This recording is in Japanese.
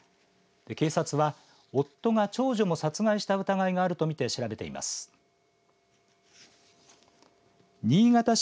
警察は、夫が長女も殺害した疑いがあると見て調べています。